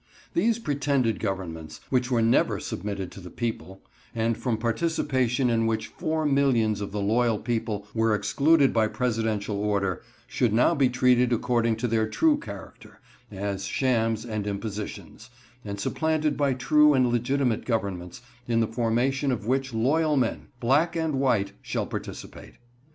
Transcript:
These pretended governments, which were never submitted to the people, and from participation in which four millions of the loyal people were excluded by Presidential order, should now be treated according to their true character, as shams and impositions, and supplanted by true and legitimate governments, in the formation of which loyal men, black and white, shall participate.